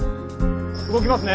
動きますね。